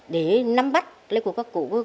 để nắm bắt lấy của các cụ